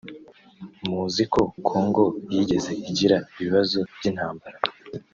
Muzi ko congo yigeze igira ibibazo by’intambara